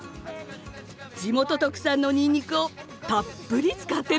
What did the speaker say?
地元特産のニンニクをたっぷり使ってるんです！